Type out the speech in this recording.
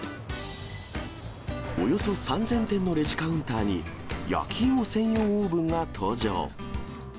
およそ３０００店のレジカウンターに、焼きいも専用オーブンが登場。